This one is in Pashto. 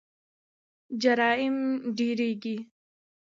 جرایم ډیریږي.